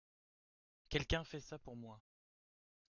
Quelqu’un fait ça pour moi.